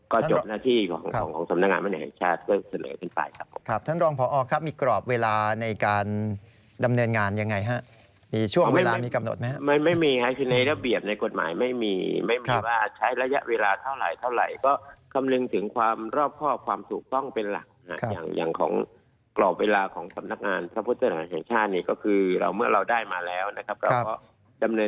ก็จบหน้าที่ของสำนักงานพระบุญหังแห่งชาติก็เสร็จสำนักงานพระบุญหังแห่งชาติก็เสร็จสำนักงานพระบุญหังแห่งชาติก็เสร็จสำนักงานพระบุญหังแห่งชาติก็เสร็จสำนักงานพระบุญหังแห่งชาติก็เสร็จสำนักงานพระบุญหังแห่งชาติก็เสร็จสำนักงานพระบุญหังแห่งชาติก็เสร็จสำนักงาน